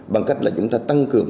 bằng cách là chúng ta tăng cường